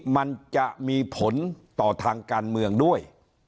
มันจะมีผลต่อทางการเมืองด้วย